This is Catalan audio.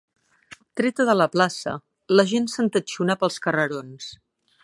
Treta de la plaça, la gent s'entatxonà pels carrerons.